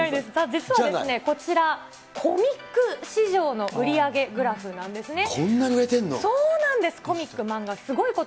実はこちら、コミック市場の売り上げグラフなんですね。